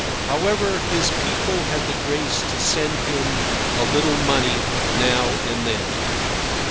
However, his people had the grace to send him a little money now and then.